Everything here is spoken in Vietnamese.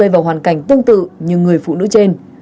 vào hoàn cảnh tương tự như người phụ nữ trên